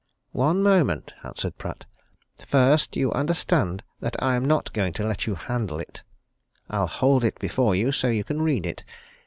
"One moment," answered Pratt. "First you understand that I'm not going to let you handle it. I'll hold it before you, so you can read it.